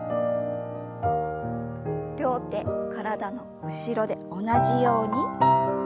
両手体の後ろで同じように。